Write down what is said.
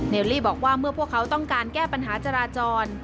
เลลี่บอกว่าเมื่อพวกเขาต้องการแก้ปัญหาจราจร